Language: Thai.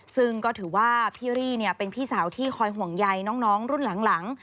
ซึ่งก็ถือว่าพี่รี่เป็นพี่สาวที่คอยห่วงใยน้องรุ่นหลัง